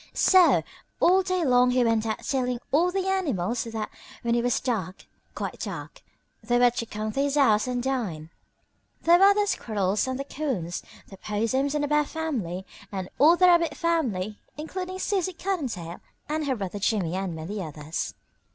So all day long he went about telling all the animals that when it was dark quite dark they were to come to his house and dine. There were the Squirrels and the Coons, the Possums and the Bear family and all the Rabbit family, including Susie Cottontail and her brother Jimmie and many others.